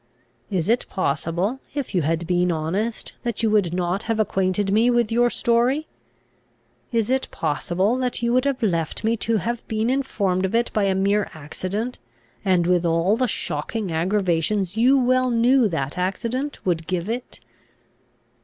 Is it possible, if you had been honest, that you would not have acquainted me with your story? Is it possible, that you would have left me to have been informed of it by a mere accident, and with all the shocking aggravations you well knew that accident would give it?